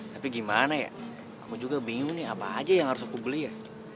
tapi gimana ya aku juga bingung nih apa aja yang harus aku beli ya